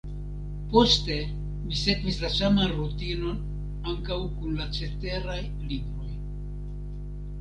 Poste mi sekvis la saman rutinon ankaŭ kun la ceteraj libroj.